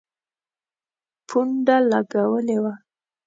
پونډه لګولي وه.